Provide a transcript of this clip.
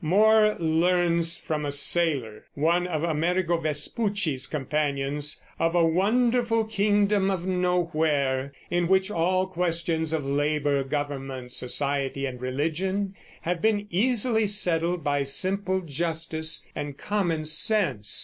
More learns from a sailor, one of Amerigo Vespucci's companions, of a wonderful Kingdom of Nowhere, in which all questions of labor, government, society, and religion have been easily settled by simple justice and common sense.